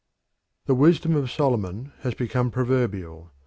The wisdom of Solomon has become proverbial.